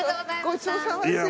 ごちそうさまです。